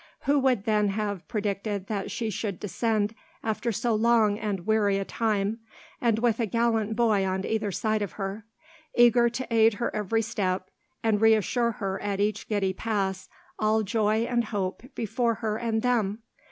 Who would then have predicted that she should descend after so long and weary a time, and with a gallant boy on either side of her, eager to aid her every step, and reassure her at each giddy pass, all joy and hope before her and them?